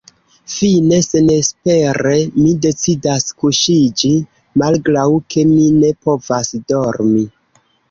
Fine, senespere, mi decidas kuŝiĝi, malgraŭ ke mi ne povas dormi.